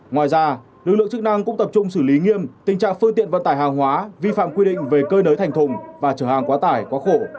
ngoài ra lực lượng chức năng cũng tập trung xử lý nghiêm tình trạng phương tiện vận tải hàng hóa vi phạm quy định về cơi nới thành thùng và trở hàng quá tải quá khổ